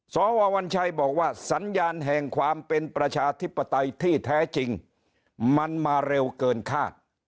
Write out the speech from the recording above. สววัญชัยบอกว่าสัญญาณแห่งความเป็นประชาธิปไตยที่แท้จริงมันมาเร็วเกินคาด